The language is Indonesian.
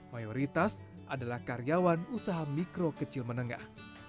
mayoritas adalah karyawan usaha mikro kecil menengah